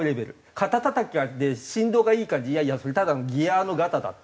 肩たたきで振動がいいかっていやいやそれただのギアのガタだって。